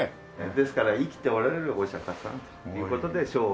ですから生きておられるお釈さんっていう事で生身。